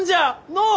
のう？